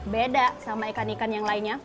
beda sama ikan ikan yang lainnya